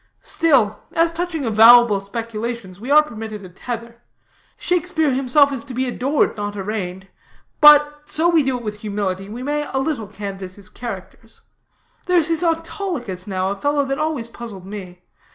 Still, as touching avowable speculations, we are permitted a tether. Shakespeare himself is to be adored, not arraigned; but, so we do it with humility, we may a little canvass his characters. There's his Autolycus now, a fellow that always puzzled me.